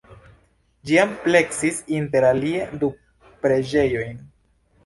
Ĝi ampleksis inter alie du preĝejojn.